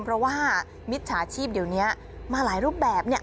เพราะว่ามิจฉาชีพเดี๋ยวนี้มาหลายรูปแบบเนี่ย